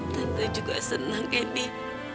tante juga senang candy